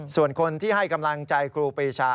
ส่วนคนที่ให้กำลังใจครูปรีชา